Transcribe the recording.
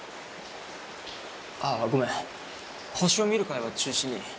あっごめん星を見る会は中止に。